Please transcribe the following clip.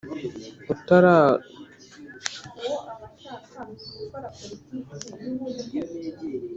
utugarura rumuri two kukinyabiziga cg se kukanyamizigo gitwaye